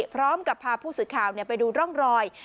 พร้อมกับพาผู้สื่อข่าวไปดูร่องรอย